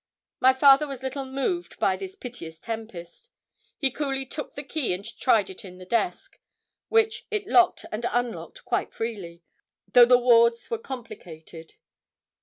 My father was little moved by this piteous tempest. He coolly took the key and tried it in the desk, which it locked and unlocked quite freely, though the wards were complicated.